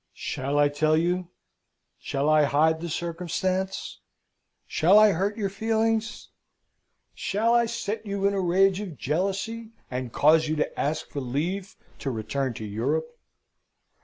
"Shall I tell you? Shall I hide the circumstance? Shall I hurt your feelings? Shall I set you in a rage of jealousy, and cause you to ask for leave to return to Europe?